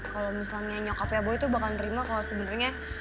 kalau misalnya nyokapnya boy tuh bakal nerima kalau sebenernya